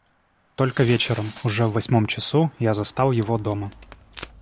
Только вечером, уже в восьмом часу, я застал его дома.